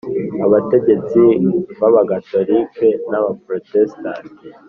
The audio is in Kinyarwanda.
Abategetsi b abagatolika n abaporotesitanti